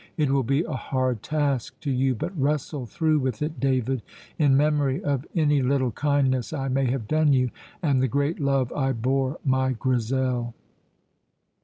It will be a hard task to you, but wrestle through with it, David, in memory of any little kindness I may have done you, and the great love I bore my Grizel.'"